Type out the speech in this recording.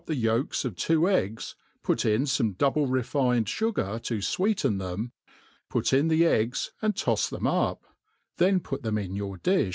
the yol ks of two eggSy put ia fome double refined fugai to fweeten them, put in the egg» 2nd tofs them itp ; then put them in yoar di&.